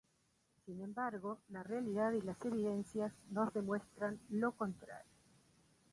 Sin embargo, la realidad y las evidencias nos demuestran lo contrario.